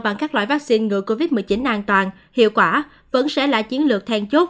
bằng các loại vaccine ngừa covid một mươi chín an toàn hiệu quả vẫn sẽ là chiến lược then chốt